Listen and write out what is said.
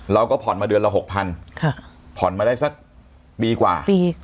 เราก็ผ่อนมาเดือนละหกพันผ่อนมาได้สักปีกว่า